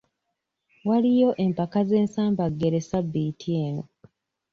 Waliyo empaka z'ensambaggere ssabbiiti eno.